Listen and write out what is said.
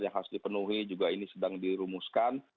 yang harus dipenuhi juga ini sedang dirumuskan